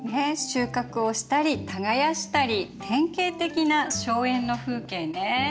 収穫をしたり耕したり典型的な荘園の風景ね。